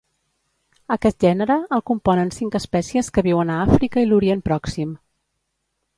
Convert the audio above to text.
Aquest gènere el componen cinc espècies que viuen a Àfrica i l'Orient Pròxim.